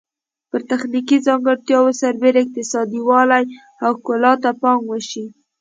پر تخنیکي ځانګړتیاوو سربیره اقتصادي والی او ښکلا ته پام وشي.